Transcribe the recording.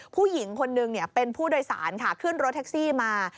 ผู้หญิงคนนึงเป็นผู้โดยสารค่ะขึ้นรถแท็กซี่มา